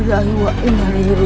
tunggu gue pake koran disini